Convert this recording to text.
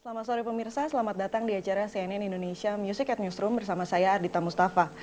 selamat sore pemirsa selamat datang di acara cnn indonesia music at newsroom bersama saya ardita mustafa